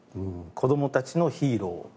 子どもたちのヒーロー。